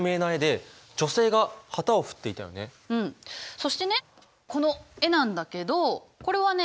そしてねこの絵なんだけどこれはね